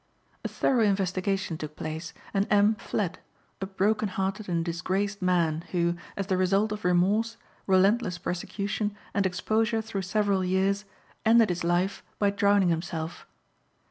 A thorough investigation took place and M. fled, a broken hearted and disgraced man, who, as the result of remorse, relentless persecution, and exposure through several years, ended his life by drowning himself.